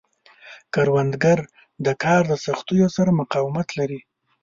کروندګر د کار د سختیو سره مقاومت لري